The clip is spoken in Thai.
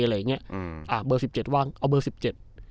อะไรอย่างเงี้ยอืมอ่าเบอร์สิบเจ็ดว่างเอาเบอร์สิบเจ็ด